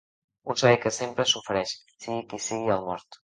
Un servei que sempre s’ofereix, sigui qui sigui el mort.